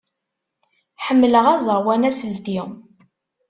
Ḥemmleɣ aẓawan aselti.